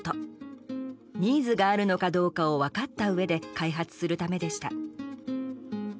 ニーズがあるのかどうかを分かったうえで開発するためでした。